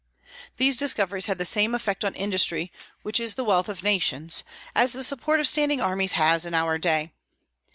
These discoveries had the same effect on industry, which is the wealth of nations, as the support of standing armies has in our day.